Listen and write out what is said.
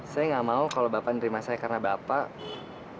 saya nggak mau kalau bapak nerima saya karena bapak